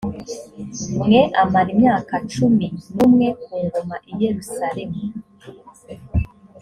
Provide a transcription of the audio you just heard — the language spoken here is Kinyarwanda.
mwe amara imyaka cumi n umwe ku ngoma i yerusalemu